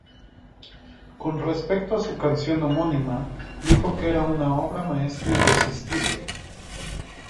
Con respecto a su canción homónima dijo que era una obra maestra irresistible.